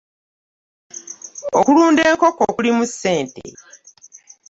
Okulunda enkoko kulimu ssente.